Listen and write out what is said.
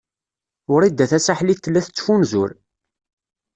Wrida Tasaḥlit tella tettfunzur.